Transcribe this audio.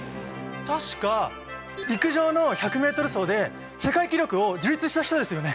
確か陸上の１００ｍ走で世界記録を樹立した人ですよね。